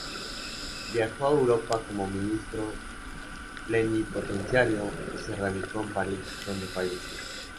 Viajó a Europa como ministro plenipotenciario y se radicó en París, donde falleció.